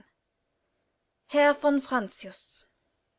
HERR VON FRANCIUS.